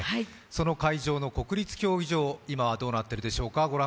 その会場の国立競技場、今はどうなっているでしょうか、御覧